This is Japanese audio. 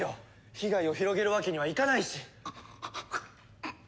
被害を広げるわけにはいかないし！